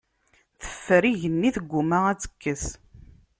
Teffer igenni, tegguma ad tekkes.